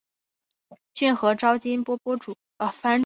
骏河沼津藩藩主。